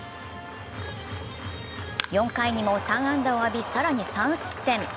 ４回にも３安打を浴び更に３失点。